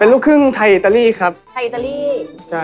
ลูกครึ่งไทยอิตาลีครับไทยอิตาลี